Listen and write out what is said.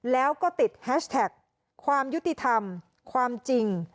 แล้วก็ติดแฮชแท็กความยุติธรรมความจริง